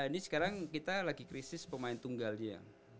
ini sekarang kita lagi krisis pemain tunggalnya